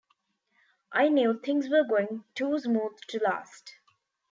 I knew things were going too smooth to last.